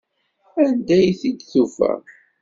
Anda ay t-id-tufa?